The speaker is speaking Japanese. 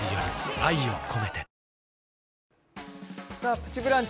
「プチブランチ」